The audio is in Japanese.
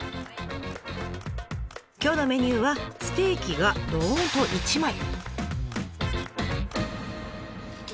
今日のメニューはステーキがどんと１枚！